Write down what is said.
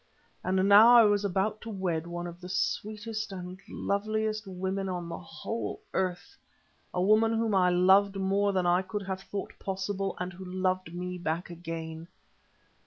And now I was about to wed one of the sweetest and loveliest women on the whole earth—a woman whom I loved more than I could have thought possible, and who loved me back again.